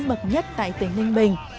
bậc nhất tại tỉnh ninh bình